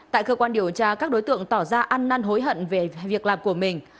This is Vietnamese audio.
tại cơ quan điều tra các đối tượng tỏ ra ăn năn hối hận về việc làm của mình